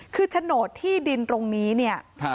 คือโฉนดที่ดินตรงนี้เนี่ย